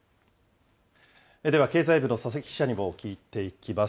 では経済部の佐々木記者にも聞いていきます。